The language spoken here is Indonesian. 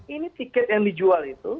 ini tiket yang dijual itu